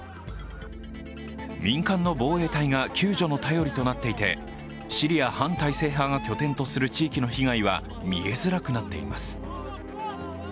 民間の防衛隊が救助の頼りとなっていて、シリア反体制派が拠点とする地域の被害は見えづらくなっています。